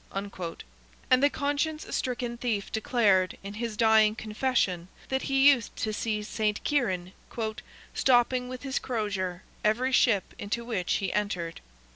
And the conscience stricken thief declared, in his dying confession, that he used to see Saint Kieran "stopping with his crozier, every ship into which he entered."